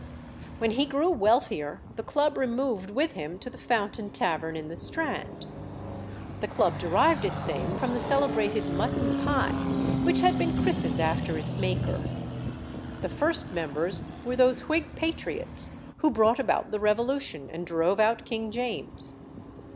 When he grew wealthier, the club removed with him to the Fountain Tavern in the Strand. The club derived its name from the celebrated mutton pie, which had been christened after its maker. The first members were those Whig patriots who brought about the Revolution and drove out King James.